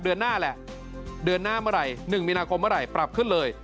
เดือนหน้าแหละเดือนหน้าเมื่อไหร่๑มีนาคมเมื่อไหร่ปรับขึ้นเลย